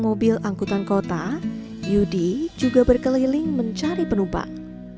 mobil angkutan kota yudi juga berkeliling mencari penumpang